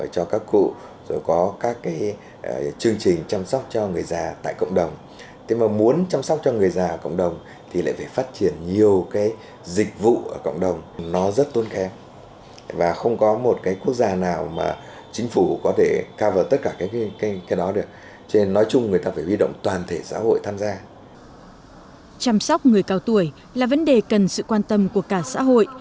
chăm sóc người cao tuổi là vấn đề cần sự quan tâm của cả xã hội